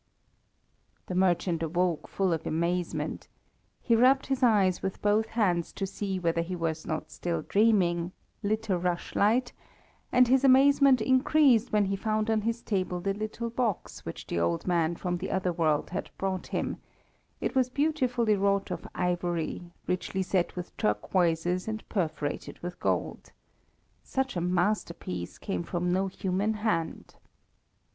The merchant awoke full of amazement. He rubbed his eyes with both hands to see whether he was not still dreaming, lit a rushlight, and his amazement increased when he found on his table the little box which the old man from the other world had brought him; it was beautifully wrought of ivory, richly set with turquoises and perforated with gold. Such a masterpiece came from no human hand.